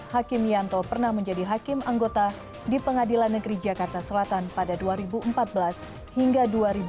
hakim yanto pernah menjadi hakim anggota di pengadilan negeri jakarta selatan pada dua ribu empat belas hingga dua ribu empat belas